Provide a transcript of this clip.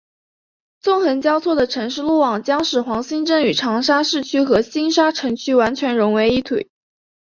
纵横交错的城市路网将使黄兴镇与长沙市区和星沙城区完全融为一体。